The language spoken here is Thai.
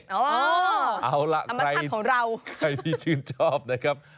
อ๋อธรรมชาติของเราเอาล่ะใครที่ชื่นชอบนะครับ